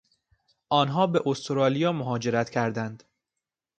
آنها به استرالیا مهاجرت کردند.